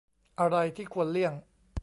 อะไรที่ควรเลี่ยง